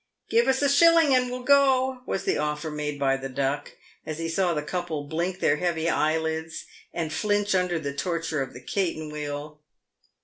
" Give us a shillin' and we'll go," was the offer made by the Buck, as he saw the couple blink their heavy eyelids and flinch under the torture of the " caten wheel."